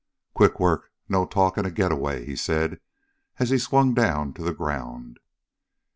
"Quick work, no talk, and a getaway," he said as he swung down to the ground.